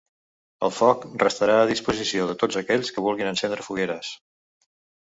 El foc restarà a disposició de tots aquells que vulguin encendre fogueres.